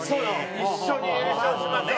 「一緒に優勝しましょう」。